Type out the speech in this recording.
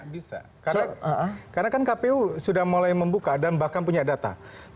bisa karena kan kpu sudah mulai membuka dan bahkan punya data